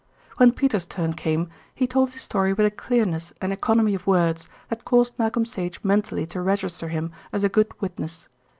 When Peters' turn came, he told his story with a clearness and economy of words that caused Malcolm Sage mentally to register him as a good witness.